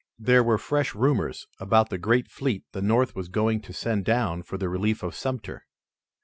There were fresh rumors about the great fleet the North was going to send down for the relief of Sumter.